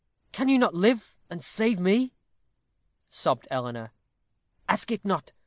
"Can you not live, and save me?" sobbed Eleanor. "Ask it not.